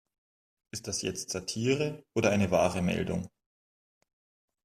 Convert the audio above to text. Ist das jetzt Satire oder eine wahre Meldung?